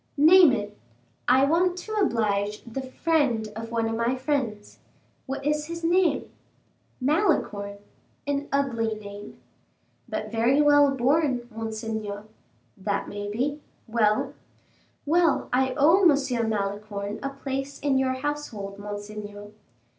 "Name it." "I want to oblige the friend of one of my friends." "What's his name?" "Malicorne." "An ugly name." "But very well borne, monseigneur." "That may be. Well?" "Well, I owe M. Malicorne a place in your household, monseigneur."